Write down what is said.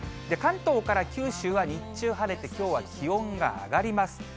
関東から九州は日中、晴れて、きょうは気温が上がります。